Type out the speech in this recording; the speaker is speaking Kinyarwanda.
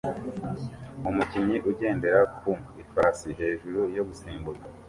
Umukinnyi ugendera ku ifarashi hejuru yo gusimbuka